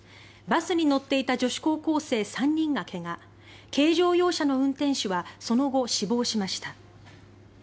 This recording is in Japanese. バスに乗っていた女子高校生３人が怪我軽乗用車の運転手はその後、死亡しました。